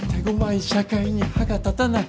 社会に歯が立たない